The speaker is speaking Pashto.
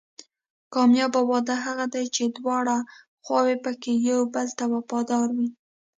کامیابه واده هغه دی چې دواړه خواوې پکې یو بل ته وفادار وي.